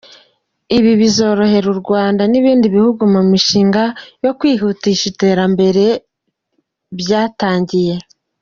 Ibi bizorohera u Rwanda n’ibindi bihugu mu mishinga yo kwihutisha iterambere byatangiye.